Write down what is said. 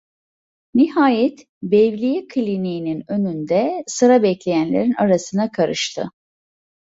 Nihayet "Bevliye" kliniğinin önünde sıra bekleyenlerin arasına karıştı.